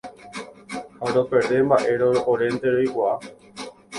Ha roperde mba'érõ orénte roikuaa.